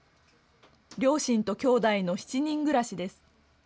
両親ときょうだいの７人暮らしです。